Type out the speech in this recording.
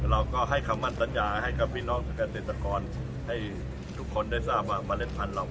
เราก็ให้คำมั่นสัญญาให้กับพี่น้องเกษตรกรให้ทุกคนได้ทราบว่าเมล็ดพันธุ์